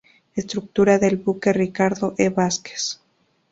Estructura del Buque, Ricardo E. Vázquez.